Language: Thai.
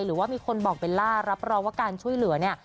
หรือว่ามีคนบอกเบลล่ารับรองว่าการช่วยเหลือเนี่ย